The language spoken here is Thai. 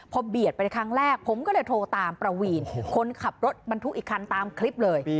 พอเบียดไปในครั้งแรกผมก็เลยโทรตามประวีนคนขับรถบรรทุกอีกคันตามคลิปเลย